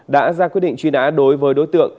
đã ra quyết định truy nã đối với đối tượng